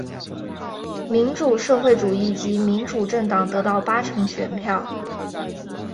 民主社会主义及民主政党得到八成选票。